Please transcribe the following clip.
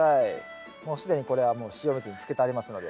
もう既にこれはもう塩水につけてありますので。